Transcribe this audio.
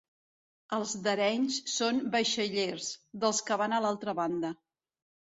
Els d'Arenys són vaixellers, dels que van a l'altra banda.